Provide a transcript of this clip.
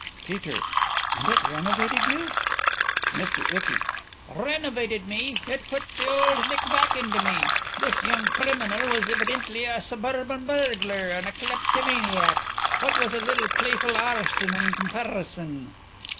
PETER: And it renovated you? MR. ICKY: Renovated me! It put the Old Nick back into me! This young criminal was evidently a suburban burglar and a kleptomaniac. What was a little playful arson in comparison!